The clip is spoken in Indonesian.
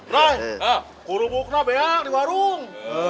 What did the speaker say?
rai kurung bukna banyak di warung